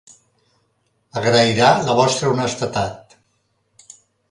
Agrairà la vostra honestedat.